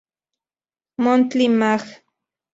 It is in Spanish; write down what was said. Monthly Mag.